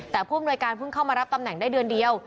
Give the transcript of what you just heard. แต่ผู้อำนวยการเพิ่งเข้ามารับตำแหน่งได้เดือนเดียว